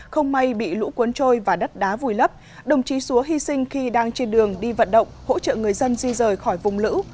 không may bị lũ cuốn trôi và đất đá vùi lấp đồng chí xúa hy sinh khi đang trên đường đi vận động hỗ trợ người dân di rời khỏi vùng lũ